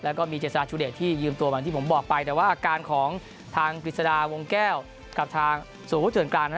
แล้วก็มีเจษฎาชูเดชที่ยืมตัวเหมือนที่ผมบอกไปแต่ว่าอาการของทางกฤษฎาวงแก้วกับทางสวพุทธเถื่อนกลาง